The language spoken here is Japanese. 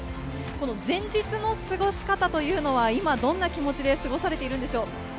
この前日の過ごし方というのは、今、どんな気持ちで過ごされているんでしょう。